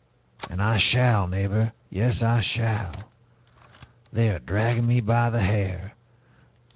And I shall, neighbor, yes, I shall! They are dragging me by the hair!'